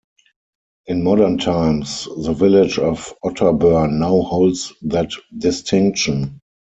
In modern times, the village of Otterburn now holds that distinction.